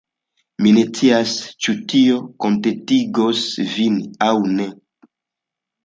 Mi ne scias, ĉu tio kontentigos vin aŭ ne.